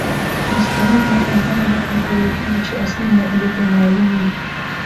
مستند متن هغه متن ته ویل کیږي، چي اصلي مؤلف يې معلوم يي.